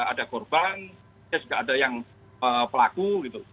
ada korban ada yang pelaku